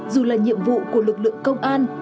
dù là nhiệm vụ của lực lượng công an